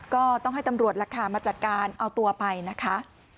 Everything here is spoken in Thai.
ก็ต้องให้ตำรวจล่ะค่ะมาจัดการเอาตัวไปนะคะ